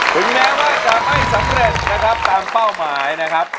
ถึงแม้ว่าจะไม่สำเร็จนะครับตามเป้าหมายนะครับ